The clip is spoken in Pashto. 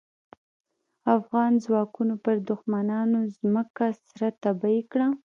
افغان ځواکونو پر دوښمنانو ځمکه سره تبۍ کړه.